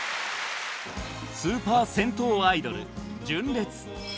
スーパー銭湯アイドル純烈。